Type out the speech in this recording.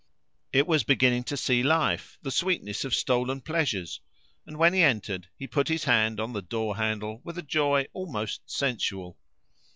It was beginning to see life, the sweetness of stolen pleasures; and when he entered, he put his hand on the door handle with a joy almost sensual.